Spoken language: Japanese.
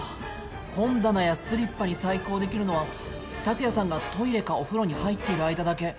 本棚やスリッパに細工をできるのは拓也さんがトイレかお風呂に入っている間だけ。